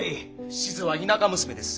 志津は田舎娘です。